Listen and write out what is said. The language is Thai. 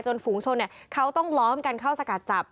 ฝูงชนเขาต้องล้อมกันเข้าสกัดจับ